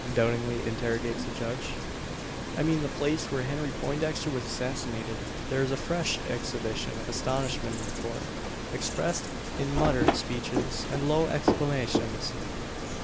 doubtingly interrogates the judge. "I mean the place where Henry Poindexter was assassinated." There is a fresh exhibition of astonishment in the Court expressed in muttered speeches and low exclamations.